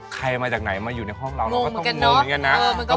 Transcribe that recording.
ใครมาจากไหนมาอยู่ในห้องเราเราก็ต้องงงเหมือนกันนะ